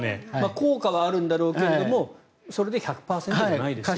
効果はあるんだろうけれどそれで１００％じゃないですと。